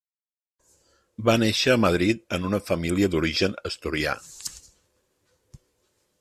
Va néixer a Madrid, en una família d'origen asturià.